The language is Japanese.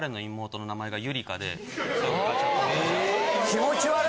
気持ち悪。